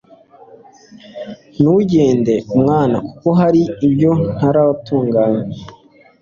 ntugende, mwana kuko hari ibyo ntaratunganya